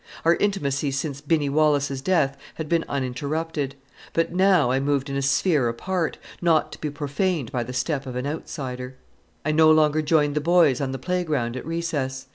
Our intimacy since Binny Wallace's death had been uninterrupted; but now I moved in a sphere apart, not to be profaned by the step of an outsider. I no longer joined the boys on the playground at recess.